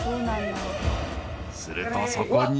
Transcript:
［するとそこに］